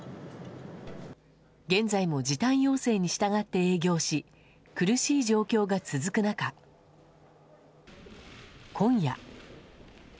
現在も時短要請に従って営業し、苦しい状況が続く中、今夜。